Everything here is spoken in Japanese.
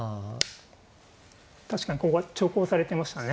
確かにここ長考されてましたね。